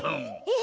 え！